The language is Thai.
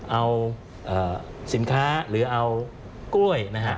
เอาสินค้าหรือเอากล้วยนะฮะ